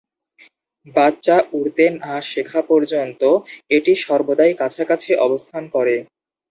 বাচ্চা উড়তে না শেখা পর্যন্ত এটি সর্বদাই কাছাকাছি অবস্থান করে।